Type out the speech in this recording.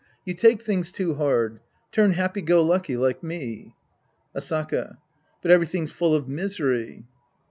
You take things too hard. Turn happy go lucky like me. Asaka. But everything's full of misery.